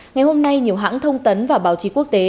ngày hôm nay nhiều hãng thông tấn và báo chí quốc tế